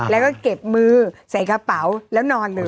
แล้วก็เก็บมือใส่กระเป๋าแล้วนอนเลย